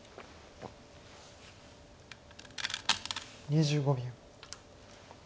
２５秒。